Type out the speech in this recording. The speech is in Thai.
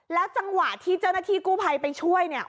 จังหวะที่เจ้าหน้าที่กู้ภัยไปช่วยเนี่ย